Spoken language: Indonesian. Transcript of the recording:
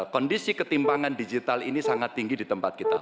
kondisi ketimbangan digital ini sangat tinggi di tempat kita